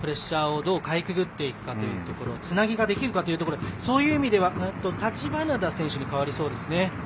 プレッシャーをどうかいくぐっていくかつなぎができるかというところそういう意味では橘田選手で変わりそうですね。